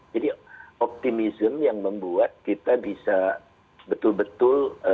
jadi optimism yang membuat kita bisa betul betul